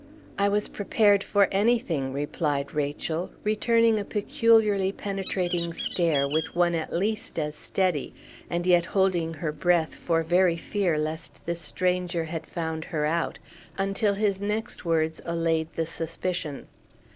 "I was prepared for anything," replied Rachel, returning a peculiarly penetrating stare with one at least as steady, and yet holding her breath for very fear lest this stranger had found her out, until his next words allayed the suspicion.